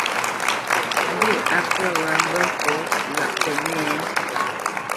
Mbî á pə̂ wǎ mbə́ fɔ lâʼ Pənɛ́a a ?